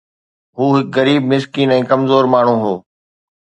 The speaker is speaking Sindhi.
هو هڪ غريب مسڪين ۽ ڪمزور ماڻهو هو.